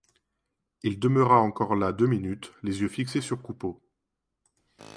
Il demeura encore là deux minutes, les yeux fixés sur Coupeau.